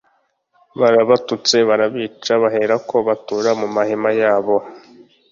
barabatutse, barabica baherako batura mu mahema yabo